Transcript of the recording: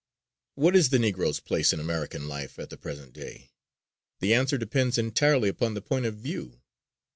What is the Negro's place in American life at the present day? The answer depends entirely upon the point of view.